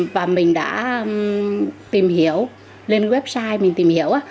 và mình đã tìm hiểu lên website mình tìm hiểu